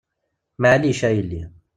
Maɛlic a yelli.